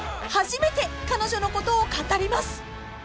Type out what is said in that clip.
［初めて彼女のことを語ります］